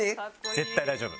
絶対大丈夫。